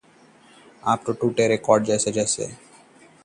आप तो टूटे हुए रिकॉर्ड के जैसे हैं।